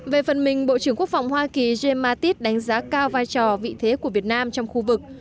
về phần mình bộ trưởng quốc phòng hoa kỳ james mattis đánh giá cao vai trò vị thế của việt nam trong khu vực